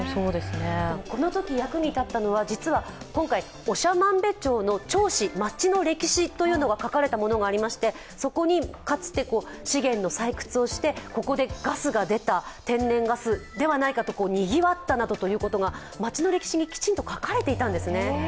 このとき役に立ったのは、実は今回、長万部の町史があってそこにかつて資源の採掘をして、ここでガスが出た、天然ガスではないかとにぎわったということが町の歴史にきちんと書かれていたんですね。